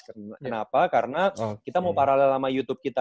kenapa karena kita mau paralel sama youtube kita